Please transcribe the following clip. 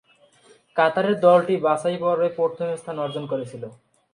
কাতারের দলটি বাছাই পর্বে প্রথম স্থান অর্জন করেছিল।